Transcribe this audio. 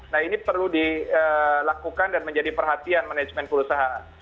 nah ini perlu dilakukan dan menjadi perhatian manajemen perusahaan